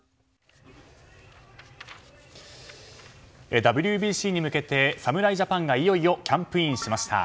ＷＢＣに向けて、侍ジャパンがいよいよキャンプインしました。